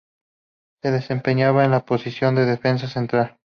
Se desempeñaba en la posición de Defensa Central.